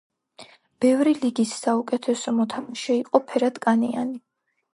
ბევრი ლიგის საუკეთესო მოთამაშე იყო ფერად-კანიანი.